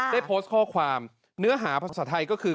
ได้ขอบความเนื้อหาภาษาไทยก็คือ